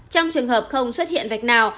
trong trường hợp không xuất hiện vạch nào